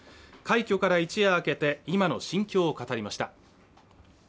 快挙から一夜明けて今の心境を語りました